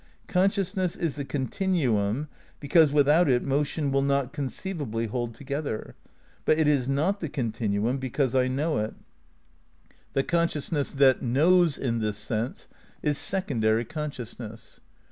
Consciousness is the continu um because without it motion wiU not conceivably hold together, but it is not the continuum because I know it. 272 THE NEW IDEALISM vm The consciousness that "knows" in this sense is sec ondary consciousness.